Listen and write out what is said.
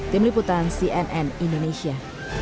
tim liputan cnn indonesia